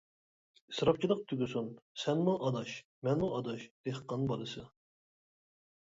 ئىسراپچىلىق تۈگىسۇن سەنمۇ ئاداش، مەنمۇ ئاداش، دېھقان بالىسى.